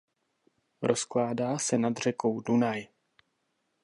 Rozkládá se nad řekou Dunaj.